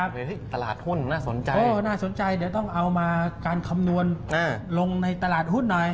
เดี๋ยวตลาดหุ้นน่าสนใจน่าสนใจเดี๋ยวต้องเอามาการคำนวณลงในตลาดหุ้นหน่อย